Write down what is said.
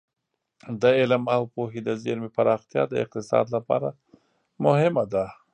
د علم او پوهې د زېرمې پراختیا د اقتصاد لپاره مهمه ده.